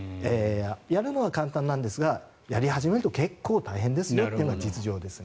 やるのは簡単なんですがやり始めると結構大変ですよというのが実情です。